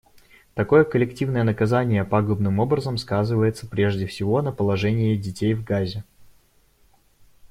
Такое коллективное наказание пагубным образом сказывается, прежде всего, на положении детей в Газе.